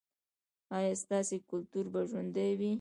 ایا ستاسو کلتور به ژوندی وي؟